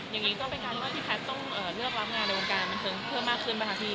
อย่างนี้ก็เป็นการเลือกที่แพทย์ต้องเลือกรับงานในวงการบันเทิงเพิ่มมากขึ้นป่ะคะพี่